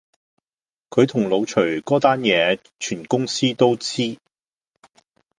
佢同老徐嗰單野全公司都知